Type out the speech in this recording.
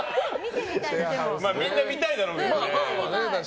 みんな、見たいだろうけどね。